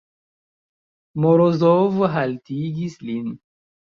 Morozov haltigis lin.